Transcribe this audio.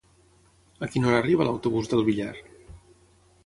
A quina hora arriba l'autobús del Villar?